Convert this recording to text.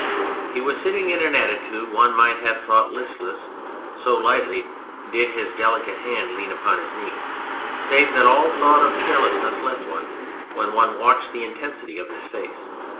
He was sitting in an attitude one might have thought listless, so lightly did his delicate hand lean upon his knee, save that all thought of carelessness left one when one watched the intensity of his face.